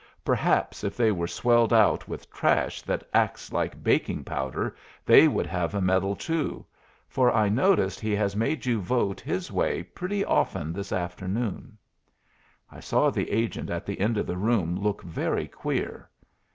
Perhaps if they were swelled out with trash that acts like baking powder, they would have a medal too for I notice he has made you vote his way pretty often this afternoon." I saw the agent at the end of the room look very queer.